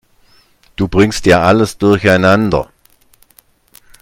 Du bringst ja alles durcheinander.